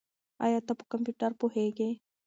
ایا ته په کمپیوټر پوهېږې؟